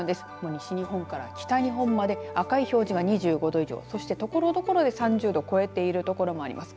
西日本から北日本まで赤い表示が２５度以上そして、ところどころで３０度超えている所もあります。